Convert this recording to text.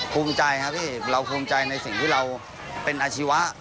ภูมิใจครับพี่เอกเราภูมิใจในสิ่งที่เราเป็นอาชีวะ